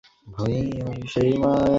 তার আগে আর দেখা করতে আসব না।